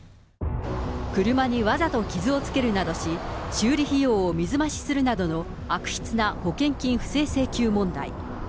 車にわざと傷をつけるなどし、修理費用を水増しするなどの悪質な保険金不正請求問題。